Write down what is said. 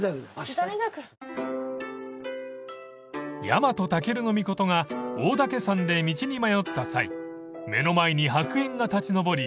［日本武尊が大岳山で道に迷った際目の前に白煙が立ち上り